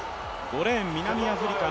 ５レーン、南アフリカ。